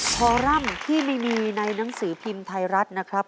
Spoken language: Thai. คอรัมป์ที่ไม่มีในหนังสือพิมพ์ไทยรัฐนะครับ